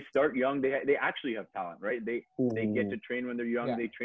sebagian dari anak anak mereka mulai kecil mereka sebenarnya punya talenta